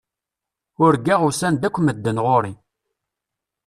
Urgaɣ usan-d akk medden ɣur-i.